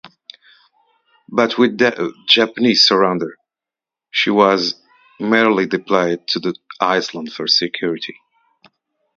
But with the Japanese surrender, she was merely deployed to the island for security.